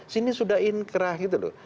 sini sudah inkrah gitu loh